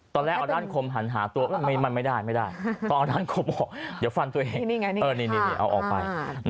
ตอนแรกเอาด้านคมหันหาตัวมันไม่ได้ไม่ได้ต้องเอาด้านคมออกเดี๋ยวฟันตัวเองนี่เอาออกไป